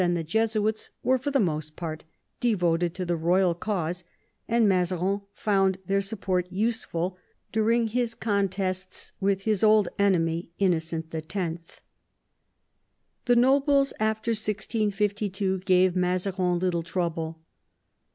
and the Jesuits, were for the most part devoted to the royal cause, and Mazarin found their support useful during his contests with his old enemy Innocent X. The nobles after 1652 gave Mazarin little trouble.